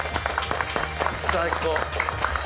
最高。